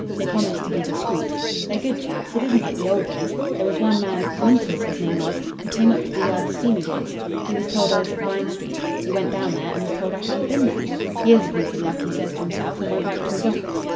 They promised to be discreet. They're good chaps. It isn't like the old days. There was one man Winters his name was who came up to the Yard to see me once. He was told I was at Vine Street. He went down there and was told I hadn't been there. "'Here's a piece of luck,' he says to himself, and went back to his office.